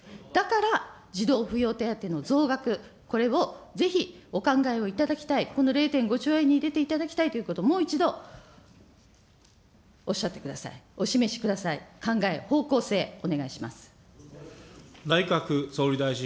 だから児童扶養手当の増額、これをぜひお考えをいただきたい、この０．５兆円に入れていただきたいということをもう一度おっしゃってください、お示しください、考えを、方向性、お願いします。